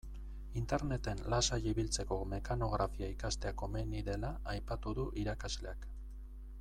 Interneten lasai ibiltzeko mekanografia ikastea komeni dela aipatu du irakasleak.